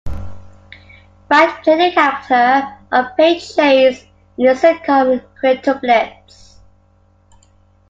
Wright played the character of Paige Chase in the sitcom "Quintuplets".